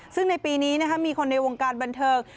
ซึ่งในปีนี้มีคนในวงการบันเทิง